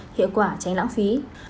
hiệu quả tránh lãng phí